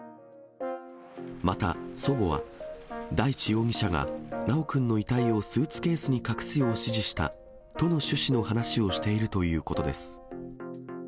また、祖母は、大地容疑者が修くんの遺体をスーツケースに隠すよう指示したとの趣旨の話をしているということです。